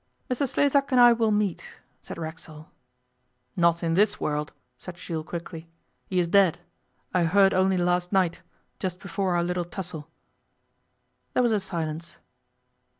'Mr Sleszak and I will meet,' said Racksole. 'Not in this world,' said Jules quickly. 'He is dead. I heard only last night just before our little tussle.' There was a silence.